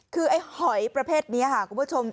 คือไอ้หอยประเภทนี้ค่ะคุณผู้ชม